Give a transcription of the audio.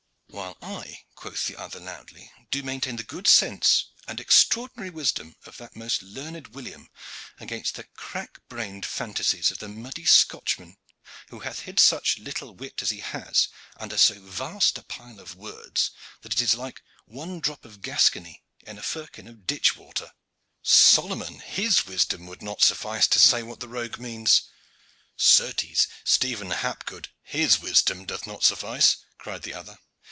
"While I," quoth the other loudly, "do maintain the good sense and extraordinary wisdom of that most learned William against the crack brained fantasies of the muddy Scotchman, who hath hid such little wit as he has under so vast a pile of words, that it is like one drop of Gascony in a firkin of ditch water. Solomon his wisdom would not suffice to say what the rogue means." "Certes, Stephen Hapgood, his wisdom doth not suffice," cried the other.